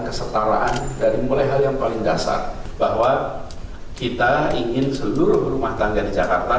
kesetaraan dari mulai hal yang paling dasar bahwa kita ingin seluruh rumah tangga di jakarta